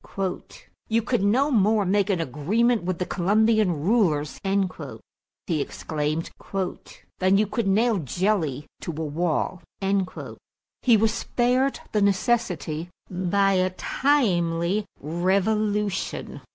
"You could no more make an agreement with the Colombian rulers," he exclaimed, "than you could nail jelly to a wall." He was spared the necessity by a timely revolution.